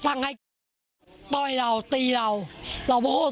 สั่งให้ต่อยเราตีเราเราโหด